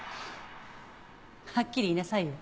はっきり言いなさいよ。